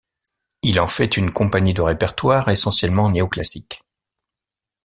Il en fait une compagnie de répertoire essentiellement néoclassique.